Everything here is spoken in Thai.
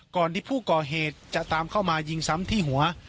ก่อนที่ผู้ก่อเหตุจะตามเข้ามายิงซ้ำที่หัว